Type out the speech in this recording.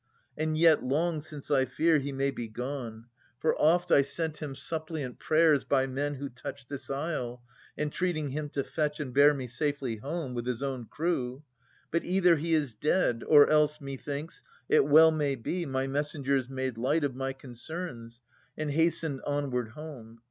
And yet long since I fear he may be gone. For oft I sent him suppliant prayers by men Who touched this isle, entreating him to fetch And bear me safely home with his own crew. But either he is dead, or else, methinks. It well may be, my messengers made light Of my concerns, and hastened onward home.